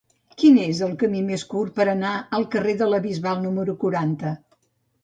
Quin és el camí més curt per anar al carrer de la Bisbal número quaranta?